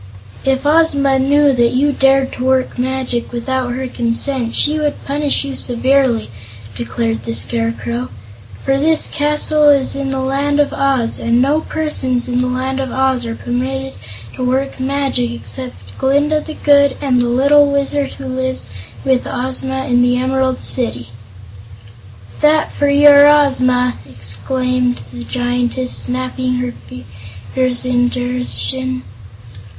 "If Ozma knew that you dared to work magic without her consent, she would punish you severely," declared the Scarecrow, "for this castle is in the Land of Oz, and no persons in the Land of Oz are permitted to work magic except Glinda the Good and the little Wizard who lives with Ozma in the Emerald City." "That for your Ozma!" exclaimed the Giantess, snapping her fingers in derision.